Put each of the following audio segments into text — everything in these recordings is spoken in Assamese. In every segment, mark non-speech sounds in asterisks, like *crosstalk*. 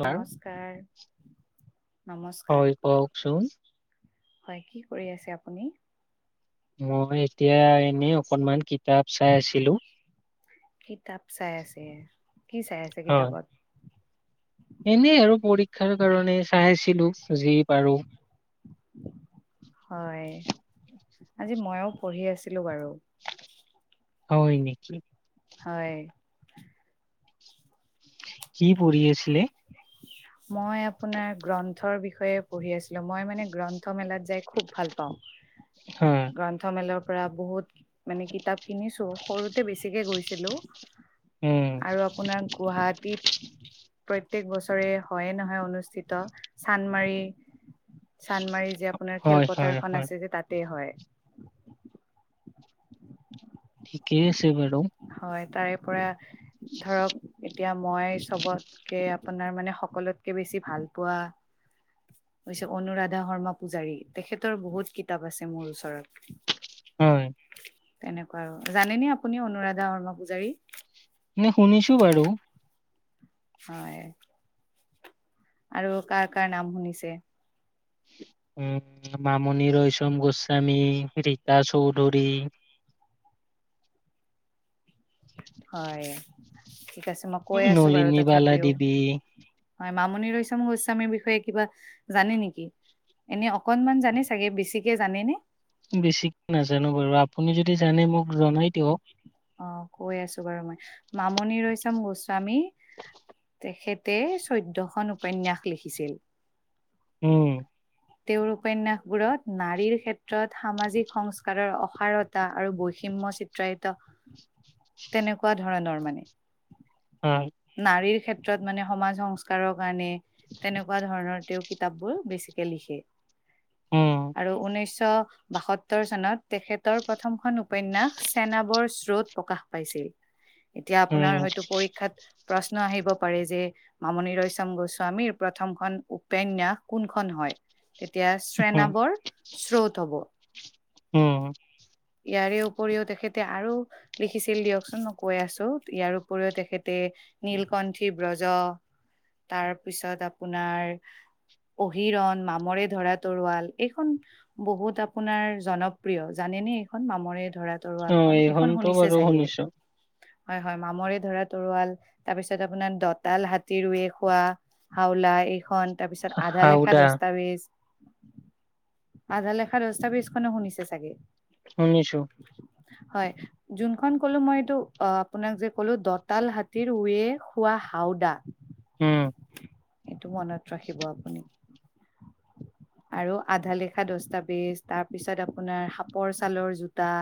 ছাৰ। নমস্কাৰ নমস্কাৰ হয়, কওঁকচোন? হয়, কি কৰি আছে আপুনি? মই এতিয়া এনেই অকনমান কিতাপ চাই আছিলোঁ। কিতাপ চাই আছে। কি চাই আছে হয় কিতাপত? এনেই আৰু পৰীক্ষাৰ কাৰণে চাইছিলোঁ যি পাৰোঁ। হয়, আজি মইও পঢ়ি আছিলোঁ বাৰু। হয় নেকি? হয়। কি পঢ়ি আছিলে? মই আপোনাৰ গ্ৰন্থৰ বিষয়ে পঢ়ি আছিলোঁ। মই মানে গ্ৰন্থমেলাত যায় খুব ভাল পাওঁ। হয় গ্ৰন্থমেলাৰ পৰা বহুত মানে কিতাপ কিনিছো, সৰুতে বেছিকে গৈছিলোঁ। উম আৰু আপোনাৰ গুৱাহাটীত প্ৰত্যেক বছৰ বছৰে হয়ে নহয় অনুষ্ঠিত, চানমাৰি। চানমাৰি যে আপোনাৰ হয় হয় খেলপথাৰখন হয় আছে যে তাতে হয়। ঠিকে আছে বাৰু। হয় তাৰে পৰা ধৰক এতিয়া মই চবতকে, আপোনাৰ মানে সকলোতকে বেছি ভাল পোৱা হৈছে অনুৰাধা শৰ্মা পূজাৰী, তেখেতৰ বহুত কিতাপ আছে মোৰ ওচৰত। হয় তেনেকুৱা আৰু। জানেনে আপুনি অনুৰাধা শৰ্মা পূজাৰী? মানে শুনিছোঁ বাৰু। হয়। আৰু কাৰ কাৰ নাম শুনিছে? উম, মামণি ৰয়চম গোস্বামী, ৰীতা চৌধুৰী। হয় ঠিক আছে মই কৈ আছোঁ বাৰু নলিনী বালা তথাপিওঁ। দেৱী হয়, মামণি ৰয়চম গোস্বামীৰ বিষয়ে কিবা জানে নেকি? এনেই অকণমান জানে চাগে, বেছিকে জানেনে? বেছিকে নাজানো বাৰু আপুনি যদি জানে মোক জনাই দিয়ক। অ', কৈ আছোঁ বাৰু মই মামনি ৰয়ছম গোস্বামী তেখেতে চৈধ্য়খনন উপন্যাস লিখিছিল। উম, তেওঁৰ উপন্যাসবোৰত নাৰীৰ ক্ষেত্ৰত সামাজিক সংস্কাৰৰ অসাৰত তা আৰু বৈষম্য চিত্ৰায়িত তেনেকুৱা ধৰণৰ মানে। উম, নাৰীৰ ক্ষেত্ৰত মানে সমাজ সংস্কাৰৰ কাৰণে তেনেকুৱা ধৰণৰ তেওঁ কিতাপ বোৰ বেছিকে লিখে। উম আৰু উঊনৈছশ বাসত্তৰ সত্তৰ চনত তেখেতৰ প্ৰথমখন উপন্যাস চেনাবৰ চ্ৰোত প্ৰকাশ পাইছিল। এতিয়া হয় আপোনাৰ নেকি হয়তো পৰীক্ষাত প্ৰশ্ন আহিব পাৰে যে মামণি ৰয়চম গোস্বামীৰ প্ৰথমখন উপন্যাস কোনখন হয়? এতিয়া উম শ্ৰেনাবৰ চ্ৰোত হব। উম ইয়াৰে উপৰিও তেখেতে আৰু লিখিছিল দিয়কচোন মই কৈ আছোঁ ইয়াৰ উপৰিও তেখেতে নীলকণ্ঠী ব্ৰজ, তাৰপিছত আপোনাৰ অহিৰণ, মামৰে ধৰা তৰোৱাল, এইখন বহুত আপোনাৰ জনপ্ৰিয় জানেনে এইখন মামৰে ধৰা তৰোৱাল অ খন, এইখন এইখনতো শুনিছে বাৰু চাগে, শুনিছো হয় - হয়, মামৰে ধৰা তৰোৱাল তাৰপিছত আপোনাৰ দতাল হাতী ৰুৱে খোৱা হাওলা এইখন তাৰপিছত আধালেখা হাওদা দস্তাবেজ আধালেখা দস্তাবেজ খন শুনিছে চাগে শুনিছোঁ। হয়, যোনখন কলো মই এইটো আ, আপোনাক যে ক'লো দতাল হাতী তীৰ ৱে খোৱা হাওদা উম, সেইটো মনত ৰাখিব আপুনি। আৰু আধা লেখা দস্তাবেজ, তাৰ পিছত আপোনাৰ সাপৰ ছালৰ জোতা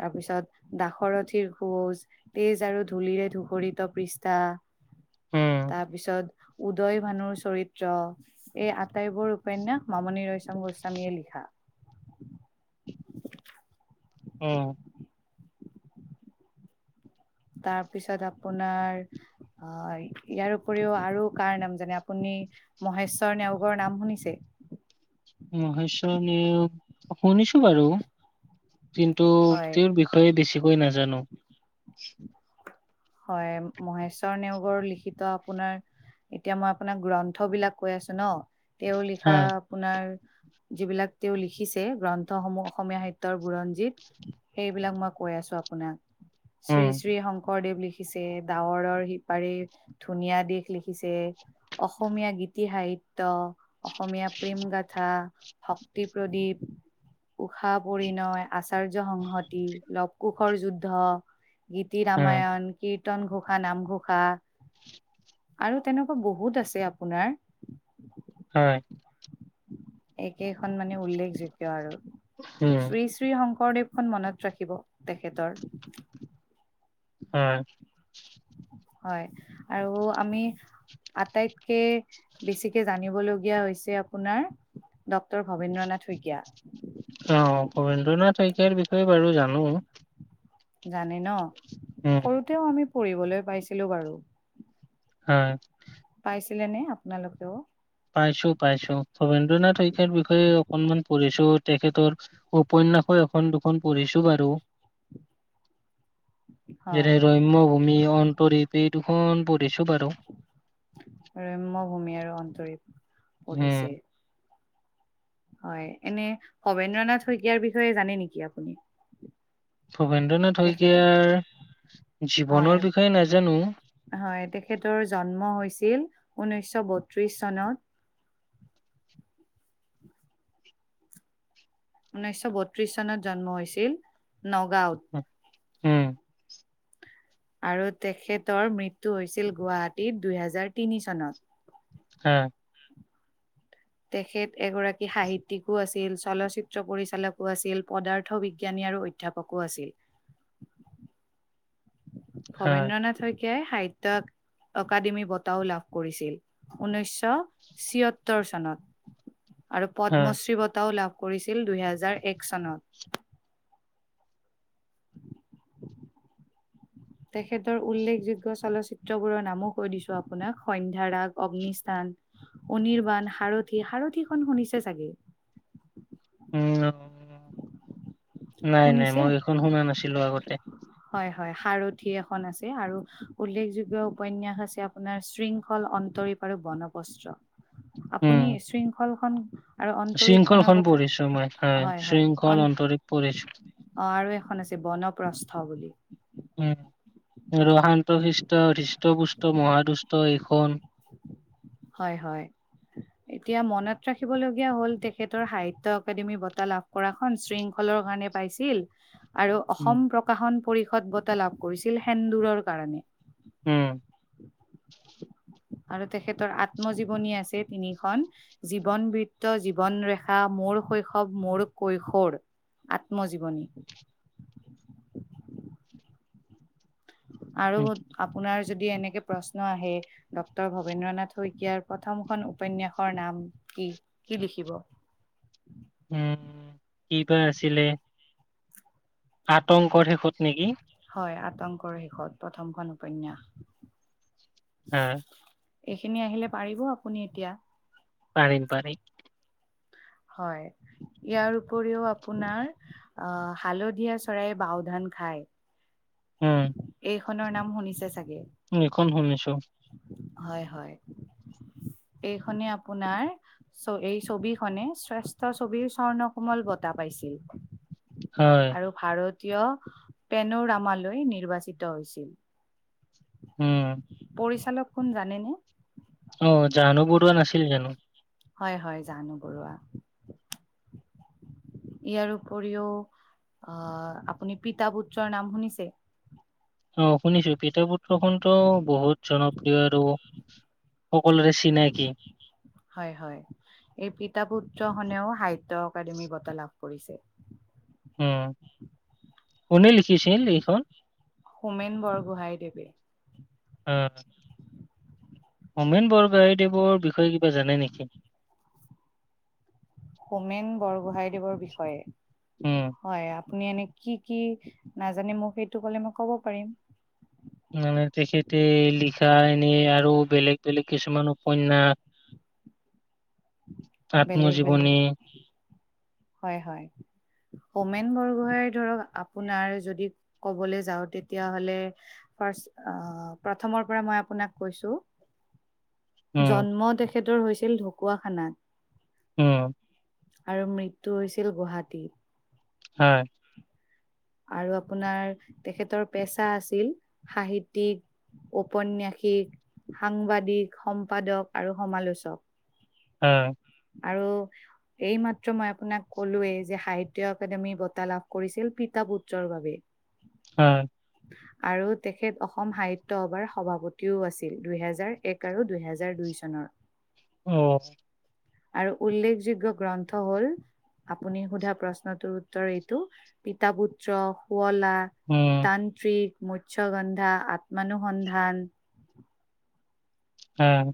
তাৰ পিছত দাসৰথীৰ সুঁৱজ তেজ আৰু ধূলিৰে ধুকুৰিত পৃষ্ঠা, উম তাৰপিছত উদয় ভানুৰ চৰিত্ৰ, এই আটাইবোৰ উপন্যাস মামণি ৰয়চম গোস্বামীয়ে লিখা। উম, তাৰপিছত আপোনাৰ আ, ইয়াৰ উপৰিও আৰু কাৰ নাম যেনে আপুনি মহেশ্বৰ নেওগৰ নাম শুনিছে? মহেশ্বৰ নেওগ শুনিছোঁ বাৰু কিন্তু হয় তেওঁৰ বি ষয় বেছিকৈ নাজানো। হয়, মহেশ্বৰ নেওগৰ লিখিত আপোনাৰ এতিয়া মই আপোনাক গ্ৰন্থ বিলাক কৈ আছোঁ ন' তেওঁ হা লিখা আপোনাৰ যিবিলাক তেওঁ লিখিছে গ্ৰন্থসমূহ অসমীয়া সাহিত্যয়ৰ বুৰঞ্জিত। সেইবিলাক মই কৈ আছোঁ আপোনাক, শ্ৰী উম শ্ৰী শংকৰদেৱ লিখি লিখিছে ডাৱৰৰ সিপাৰি ধুনীয়া দিশ লিখিছে। অসমীয়া গীতি সাহিত্য, অসমীয়া প্ৰেম গাথা শক্তি প্ৰদীপ। উষা পৰিণয়, আচাৰ্য সংহতি, লৱ কোষৰ যুদ্ধ। গীতি উম ৰামায়ণ। কীৰ্তন ঘোষা, নামঘোষা আৰু তেনেকুৱা বহুত আছে আপোনাৰ। হয়। একেইখন মানে উল্লেখযোগয় আৰু উম শ্ৰী শ্ৰী শংকৰদেৱ খন মনত ৰাখিব তেখেতৰ। হয়। হয় আৰু আমি আটাইতকে বেছিকে জানিবলগীয়া হৈছে আপোনাৰ ডক্টৰ ভবেন্দ্ৰ নাথ শইকীয়া। অ', ভবেন্দ্ৰ নাথ শইকীয়াৰ বিষয়ে বাৰু জানোঁ। জানে ন। উম সৰুতেও আমি পঢ়িবলৈ পাইছিলোঁ বাৰু। হয়। পাইছিলে নে আপোনালোকেও? পাইছোঁ, পাইছোঁ। ভবেন্দ্ৰ নাথ শইকীয়াৰ বিষয়ে অকনমান পঢ়িছোঁ তেখেতৰ উপন্যাসো এখন দুখন পঢ়িছো বাৰু। *inaudible* যেনে ৰম্য ভূমি, অন্তৰীপ এই দুখন পঢ়িছোঁ বাৰু। ৰম্য ভূমি আৰু অন্তৰীপ উম পঢ়িছে। হয়, এনে ভবেন্দ্ৰ নাথ শইকীয়াৰ বিষয়ে জানে নেকি আপুনি? ভবেন্দ্ৰ নাথ তেখেতৰ শইকীয়াৰ হয় জীৱনৰ বিষয়ে নাজানোঁ। হয়, তেখেতৰ জন্ম হৈছিল ঊনৈশ বত্ৰিশ চনত। ঊনৈছশ বত্ৰিশ চনত জন্ম হৈছিল নগাঁওত। হম, উম্। আৰু তেখেতৰ মৃত্যু হৈছিল গুৱাহাটীত, দুহেজাৰ তিনি চনত। আ'। তেখেত এগৰাকী সাহিত্যিকো আছিল, চলচ্চিত্ৰ পৰিচালকো আছিল, পদাৰ্থ বিজ্ঞানী আৰু অই- অধ্যাপকো আছিল। হা, ভবেন্দ্ৰ নাথ শইকীয়াই সাহিত্যিক- অকাডেমি বঁটাও লাভ কৰিছিল। ঊনৈশশ ছিয়ত্তৰ চনত। আৰু হা, পদ্মশ্ৰী বঁটাও লাভ কৰিছিল, দুহেজাৰ এক চনত। তেখেতৰ উল্লেখযোগ্য চলচ্চিত্ৰবোৰৰ নামো কৈ দিছোঁ আপোনাক- সন্ধ্যাৰাগ, অগ্নিস্থান- অনিৰ্বাণ, সাৰথি। সাৰথিখন শুনিছে চাগে? উম্, ন। নাই নাই, শুনিছে? মই এইখন শুনা নাছিলোঁ আগতে। হয় হয়, 'সাৰথি' এখন আছে আৰু উল্লেখযোগ্য উপন্যাস আছে আপোনাৰ- 'শৃংখল', 'অন্তৰীপ'- আৰু 'বনপস্ত্ৰ'। আপুনি 'শৃংখল' খন- 'শৃংখল' খন পঢ়িছোঁ মই, হয়। ‌ 'শৃংখল', 'অন্তৰীপ' পঢ়িছোঁ। অ', আৰু এখন আছে 'বনপ্ৰস্থ' বুলি। উম্, আৰু 'শান্ত-শিষ্ট হৃষ্ট-পুষ্ট মহাদুষ্ট' এইখন। হয়, হয়। এতিয়া মনত ৰাখিবলগীয়া হ'ল-তেখেতৰ সাহিত্য অকাডেমি বঁটা লাভ কৰাখন, 'শৃংখল'ৰ কাৰণে- পাইছিল। আৰু উম, অসম প্ৰকাশন পৰিষদ বঁটা লাভ কৰিছিল 'সেন্দুৰ'ৰ কাৰণে। উম্। আৰু তেখেতৰ আত্মজীৱনী আছে তিনিখন। 'জীৱন-বৃত্ত', 'জীৱন-ৰেখা', 'মোৰ শৈ- শৱ', 'মোৰ কৈশোৰ' আত্মজীৱনী। উম, আৰু আপোনাৰ যদি এনেকে প্ৰশ্ন আহে- ডক্টৰ ভবেন্দ্ৰ নাথ শইকীয়াৰ প্ৰথমখন উপন্যাসৰ নাম কি? কি লিখিব? উম্, কিবা আছিলে। 'আতংকৰ শেষ‌ত' নেকি? হয়, 'আতংকৰ শেষত' প্ৰথমখন উপন্যাস। অ'। এইখিনি আহিলে পাৰিব আপুনি এতিয়া? পাৰিম পাৰিম। হয়, ইয়াৰ উপৰিও আপোনাৰ- অাহ, হালধীয়া চৰায়ে বাওধান খায়'। উম। এইখনৰ নাম শুনিছে চাগে? এইখন শুনিছোঁ। হয়, হয়। এইখনে আপোনাৰ ছ, এই ছবিখনে শ্ৰেষ্ঠ ছবিৰ 'স্বৰ্ণকোমল' বঁটা পাইছিল। হয়। আৰু ভাৰতীয় পেনোৰামালৈ নিৰ্বাচিত হৈছিল। উম। পৰিচালক কোন, জানেনে? অহ, জাহ্নু বৰুৱা নাছিল জানো? হয় হয়, জাহ্নু বৰুৱা। ইয়াৰ উপৰিও, অহ' আপুনি 'পিতা-পুত্ৰ'ৰ নাম শুনিছে? অ' শুনিছোঁ। 'পিতা-পুত্ৰ'খনতো বহুত জনপ্ৰিয় আৰু সকলোৰে চিনাকি। হয় হয়। এই 'পিতা-পুত্ৰ'খনেও 'সাহিত্যয অকাডেমি বঁটা' লাভ কৰিছে। উম। কোনে লিখিছিল এইখন? হোমেন বৰগোহাঁই দেৱে অঁ হোমেন বৰগোহাঁইঞদেৱৰ বিষয়ে কিবা জানে নেকি? হোমেন বৰগোহাইদেৱৰ উম বিষয়ে হয় আপুনি এনে কি কি নাজানে মোক সেইটো কলে মই ক'ব পাৰিম। মানে তেখেতে লিখা এনেই আৰু বেলেগ বেলেগ কিছুমান উপনয়াস, বেলেগ বেলেগ আত্মজীৱনী হয় হয়। হোমেন বৰগোহাই ধৰক আপোনাৰ যদি ক'বলৈ যাওঁ তেতিয়াহে'লে ফাৰ্ষ আহ প্ৰথমৰ পৰা মই আপোনাক কৈছোঁ উম জন্ম তেখেতৰ হৈছিল ঢকুৱাখানাত উম আৰু মৃত্যু হৈছিল গুৱাহাটী। হয় আৰু আপোনাৰ তেখেতৰ পেচা আছিল সাহিত্যিক ঔপন্যাসিক, সাংবাদিক, সম্পাদক আৰু সমালোচক। অ আৰু এইমাত্ৰ মই আপোনাক ক'লোৱৱে যে সাহিত্য একাডেমি বঁটা লাভ কৰিছিল পিতা পুত্ৰৰ বাবে। উ *inaudible* উম। *inaudible* আৰু তেখেত অসম সাহিত্য সভাৰ সভাপতিও আছিল দুহেজাৰ এক আৰু দুহেজাৰ দুই চনৰ। অ', আৰু উল্লেখযোগ্য গ্ৰন্থ হ'ল আপুনি সোধা প্ৰশ্নটোৰ উত্তৰ এইটো, পিতা পুত্ৰ, শুৱলা উম। তান্ত্ৰিক, মৎসগন্ধা, আতমানুসন্ধান উম।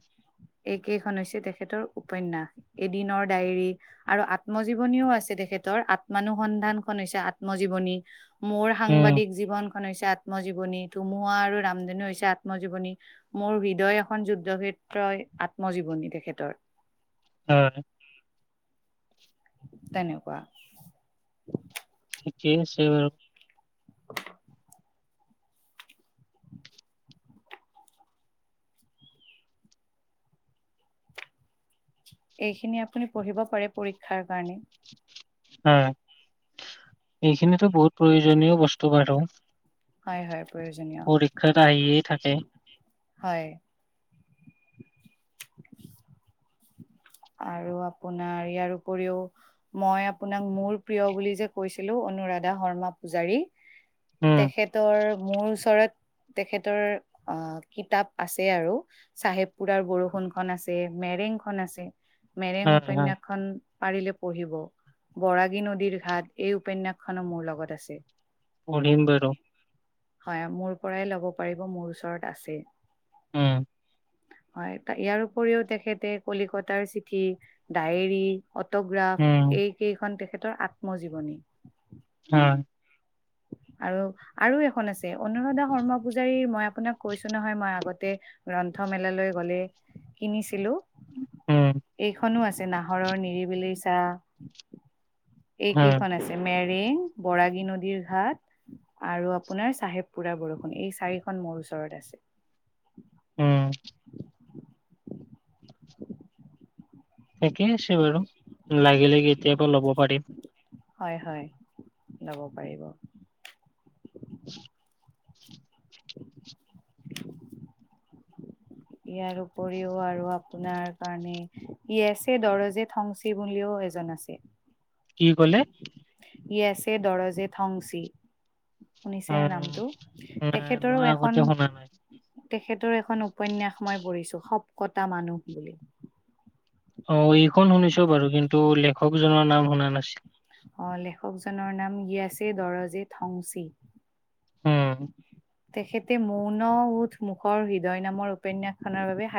এইকেইখন হৈছে তেখেতৰ উপনয়াস, এদিনৰ ডায়েৰী আৰু আত্মজীৱনীও আছে তেখেতৰ, আতমানুসন্ধানখনন হৈছে আত্মজীৱনী। মোৰ উম সাংবাদিক জীৱনখন হৈছে আত্মজীৱনী, ধুমুহা আৰু ৰামদনী হৈছে আত্মজীৱনী মোৰ হৃদয় এখন যুদ্ধক্ষেত্ৰই আত্মজীৱনী তেখেতৰ। হয়। তেনেকুৱা। ঠিকে আছে বাৰু *unintelligible* এইখিনি আপুনি পঢ়িব পাৰে পৰীক্ষাৰ কাৰণে হয় এইখিনিতো বহুত প্ৰয়োজনীয় বস্তু বাৰু হয় হয় প্ৰয়োজনীয় পৰীক্ষাত আহিয়ে থাকে হয় *unintelligible* আৰু আপোনাৰ ইয়াৰ উপৰিও মই আপোনাক মোৰ প্ৰিয় বুলি যে কৈছিলো অনুৰাধা শৰ্মা পূজাৰী উম তেখেতৰ মোৰ ওচৰত। তেখেতৰ আহ কিতাপ আছে আৰু, চাহেব পুৰাৰ বৰষুণখন আছে মেৰেংখন আছে মেৰেং হয় হয় উপন্যাসখন। পাৰিলে পঢ়িব বৰাগী নদীৰ ঘাট এই উপন্যাসখনো মোৰ লগত আছে। প়ম বোৰ হয় মোৰ পৰাই ল'ব পাৰিব মোৰ ওচৰত আছেই অ' হয় ইয়াৰ উপৰিও তেখেতে কলিকতাৰ চিঠি ডায়েৰী। অটোগ্ৰাফ উম, এইকেইখন তেখেতৰ আত্মজীৱনী হয়। আৰু আৰু এখন আছে অনুৰাধা শৰ্মা পূজাৰীৰ মই আপোনাক কৈছো নহয় মই আগতে। গ্ৰন্থমেলালৈ গ'লে কিনিছিলো। উম, এইখনো আছে নাহৰৰ নিৰিবিলি চাহ হয়, এইকেইখন আছে মেৰেং বৰাগী নদীৰ ঘাট আৰু আপোনাৰ চাহেব পুৰা বৰষুণ এই চাৰিখন মোৰ ওচৰত আছে। উম থাকে আছে বাৰু লাগি লাগি এতিয়াৰ পৰা ল'ব পাৰিম। হয় হয় ল'ব পাৰিব। ইয়াৰ উপৰিও আৰু আপোনাৰ কাৰণে, য়েছে দৰজে থংচী বুলিও এজন আছে। কি ক'লে? য়েছে দৰজে থংচি অ' শুনিছেনে নামটো নাই তেখেতৰো মই আগতে এখন। শুনা নাই। তেখেতৰ এখন উপন্যাস মই পঢ়িছো শবকতা মানুহ বুলি, অ' এইখন শুনিছো বাৰু কিন্তু লেখকজনৰ নাম শুনা নাছিল। অ' লেখকজনৰ নাম ই আছে দৰজে থংচী উম। তেখেত, মৌন উঠ মুখৰ হৃদয় নামৰ উপন্যাসখনৰ বাবে